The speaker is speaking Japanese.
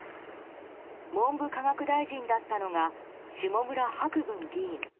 文部科学大臣だったのが下村博文議員。